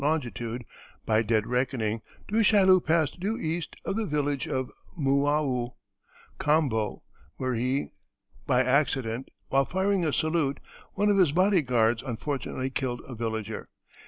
longitude, by dead reckoning, Du Chaillu passed due east to the village of Mouaou Kombo, where, by accident, while firing a salute, one of his body guard unfortunately killed a villager.